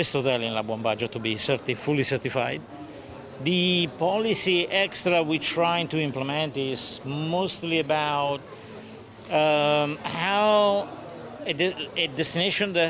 chse dengan pendapat protokol kesehatan bersertifikat ini calon wisatawan yang